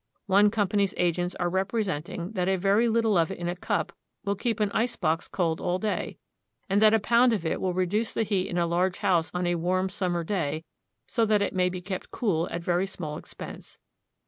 One company's agents are representing that a very little of it in a cup will keep an icebox cold all day, and that a pound of it will reduce the heat in a large house on a warm summer day so that it may be kept cool at very small expense.